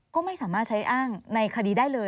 ก็ไม่สามารถใช้อ้างในคดีได้เลย